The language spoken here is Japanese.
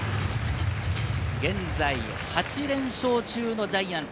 現在８連勝中のジャイアンツ。